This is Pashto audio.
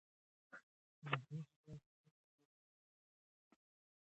د خپل فرهنګ او ژبې ساتنه وکړئ.